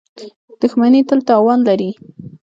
• دښمني تل تاوان لري.